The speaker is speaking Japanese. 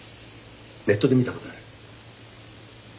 ネットで見たことある。